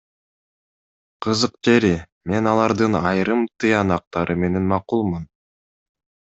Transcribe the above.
Кызык жери, мен алардын айрым тыянактары менен макулмун.